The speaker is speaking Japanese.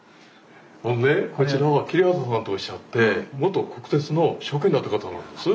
ほんでこちらは桐畑さんとおっしゃって元国鉄の職員だった方なんです。